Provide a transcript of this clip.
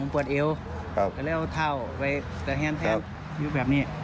ปวดเอวก็เล่าเท่าไว้แถมอยู่แบบนี้